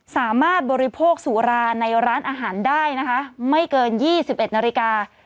สามารถบริโภคสุราในร้านอาหารได้นะคะไม่เกินยี่สิบเอ็ดนาฬิกา